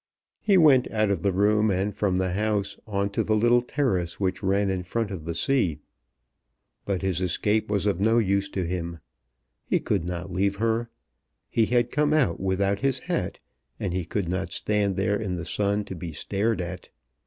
He went out of the room and from the house, on to the little terrace which ran in front of the sea. But his escape was of no use to him; he could not leave her. He had come out without his hat, and he could not stand there in the sun to be stared at.